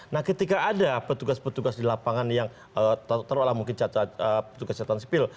nah ketika ada petugas petugas di lapangan yang taruhlah mungkin petugas catatan sipil